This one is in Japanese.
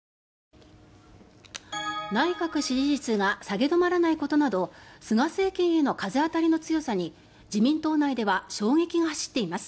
内閣支持率が下げ止まらないことなど菅政権への風当たりの強さに自民党内では衝撃が走っています。